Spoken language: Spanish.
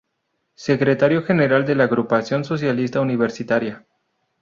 Secretario General de la Agrupación Socialista Universitaria.